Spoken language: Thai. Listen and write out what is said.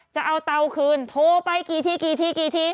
จะเอาเตาคืนโทรไปกี่ที